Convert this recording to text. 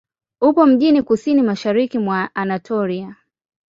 Upo mjini kusini-mashariki mwa Anatolia.